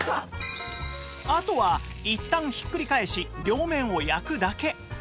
あとはいったんひっくり返し両面を焼くだけ